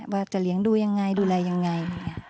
ว่าจะเลี้ยงดูอย่างไรดูแลอย่างไร